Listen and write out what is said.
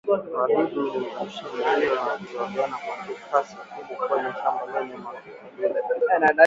wadudu hushamiri na kuzaliana kwa kasi kubwa kwenye shamba lenye magugu